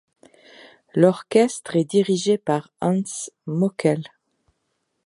L'orchestre est dirigé par Hans Moeckel.